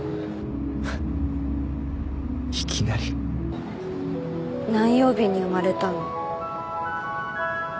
ふっいきなり？何曜日に生まれたの？